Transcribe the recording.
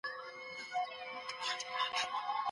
ایا ځايي کروندګر چارمغز پلوري؟